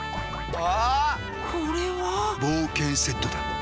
あ！